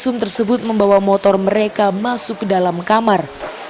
sum tersebut membawa motor mereka masuk ke dalam kamar